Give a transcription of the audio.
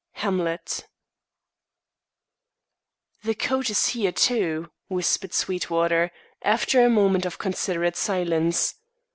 Hamlet. "The coat is here, too," whispered Sweetwater, after a moment of considerate silence.